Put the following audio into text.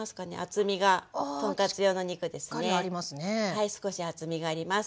はい少し厚みがあります。